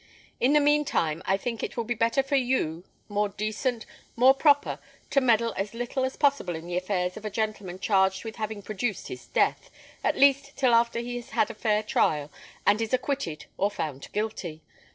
In the mean time, I think it will be better for you, more decent, more proper, to meddle as little as possible with the affairs of a gentleman charged with having produced his death, at least till after he has had a fair trial, and is acquitted or found guilty.